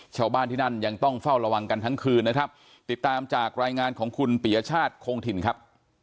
ชาวบ้านที่นั่นยังต้องเฝ้าระวังกันทั้งคืนนะครับติดตามจากรายงานของคุณปียชาติคงถิ่นครับ